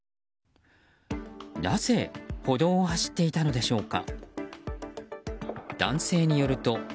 なぜ歩道を走っていたのでしょうか。